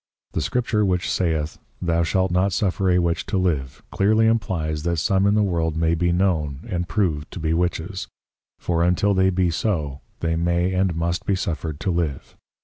_ The Scripture which saith, Thou shalt not suffer a Witch to live, clearly implies, that some in the World may be known and proved to be Witches: For until they be so, they may and must be suffered to live.